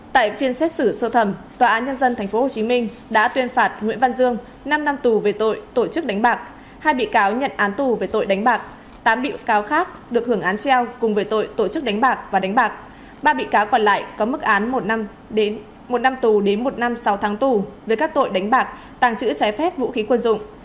tại phiên xét xử sơ thẩm tòa án nhân dân tp hcm đã tuyên phạt nguyễn văn dương năm năm tù về tội tổ chức đánh bạc hai bị cáo nhận án tù về tội đánh bạc tám bị cáo khác được hưởng án treo cùng với tội tổ chức đánh bạc và đánh bạc ba bị cáo còn lại có mức án một năm tù đến một năm sau tháng tù với các tội đánh bạc tàng trữ trái phép vũ khí quân dụng